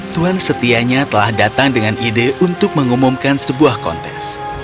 tuan setianya telah datang dengan ide untuk mengumumkan sebuah kontes